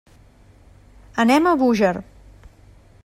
Anem a Búger.